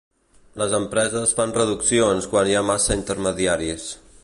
Les empreses fan reduccions quan hi ha massa intermediaris.